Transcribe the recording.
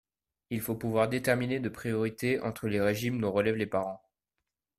Il faut pouvoir déterminer de priorité entre les régimes dont relèvent les parents.